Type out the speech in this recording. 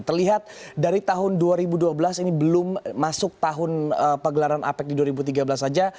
terlihat dari tahun dua ribu dua belas ini belum masuk tahun pegelaran apec di dua ribu tiga belas saja